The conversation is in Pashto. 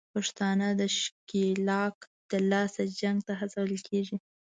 پښتانه د ښکېلاک دلاسه جنګ ته هڅول کېږي